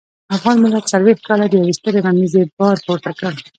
افغان ملت څلويښت کاله د يوې سترې غمیزې بار پورته کړ.